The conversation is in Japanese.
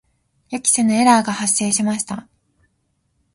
予期せぬエラーが発生しました。